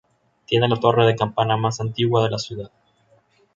Tiene la torre de campana más antigua de la ciudad.